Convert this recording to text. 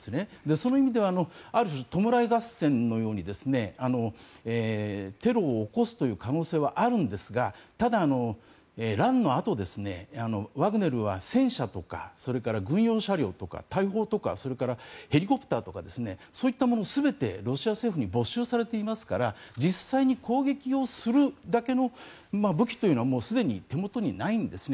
その意味ではある種、弔い合戦のようにテロを起こすという可能性はあるんですがただ、乱のあとワグネルは戦車とかそれから軍用車両とか大砲とかそれからヘリコプターとかそういったもの全てロシア政府に没収されていますから実際に攻撃をするだけの武器というのはもうすでに手元にないんですね。